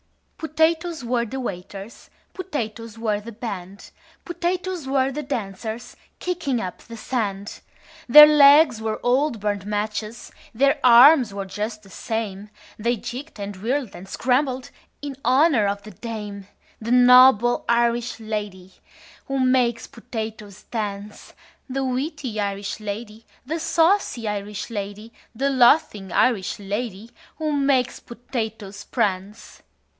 "Potatoes were the waiters, Potatoes were the band, Potatoes were the dancers Kicking up the sand: Their legs were old burnt matches, Their arms were just the same, They jigged and whirled and scrambled In honor of the dame: The noble Irish lady Who makes potatoes dance, The witty Irish lady, The saucy Irish lady, The laughing Irish lady Who makes potatoes prance.